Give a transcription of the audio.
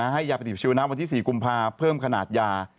ให้ยาปฏิเสียวน้ำวันที่๔กุมภาพันธุ์เพิ่มขนาดยา